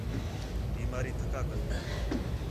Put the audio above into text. بیماری تَھکا کَندا ہے